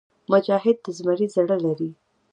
مجاهد د زمري زړه لري.